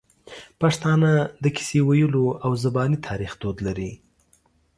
پښتانه د کیسې ویلو او زباني تاریخ دود لري.